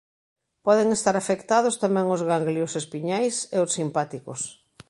Poden estar afectados tamén os ganglios espiñais e os simpáticos.